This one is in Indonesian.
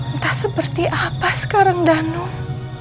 entah seperti apa sekarang danu